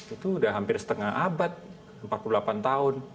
itu sudah hampir setengah abad empat puluh delapan tahun